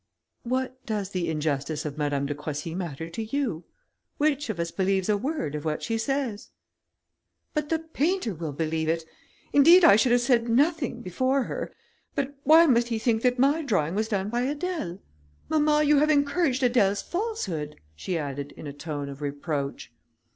"What does the injustice of Madame de Croissy matter to you? Which of us believes a word of what she says?" "But the painter will believe it. Indeed I should have said nothing before her; but why must he think that my drawing was done by Adèle? Mamma, you have encouraged Adèle's falsehood," she added, in a tone of reproach.